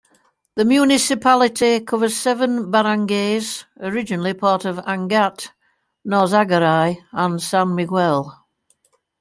The municipality covers seven barangays, originally part of Angat, Norzagaray, and San Miguel.